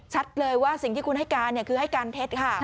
เลยว่าสิ่งที่คุณให้การคือให้การเท็จค่ะ